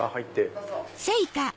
どうぞ。